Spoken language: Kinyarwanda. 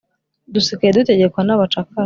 Dusigaye dutegekwa n’abacakara,